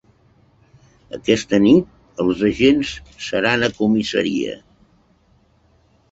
Aquesta nit els agents seran a comissaria.